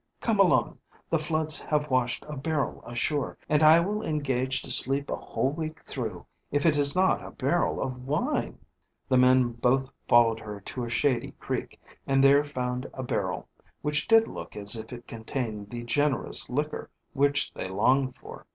Come along; the floods have washed a barrel ashore, and I will engage to sleep a whole week through if it is not a barrel of wine!" The men both followed her to a shady creek, and there found a barrel, which did look as if it contained the generous liquor which they longed for.